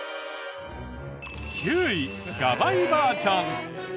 ９位『がばいばあちゃん』。